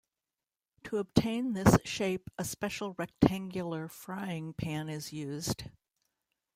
To obtain this shape a special rectangular frying pan is used.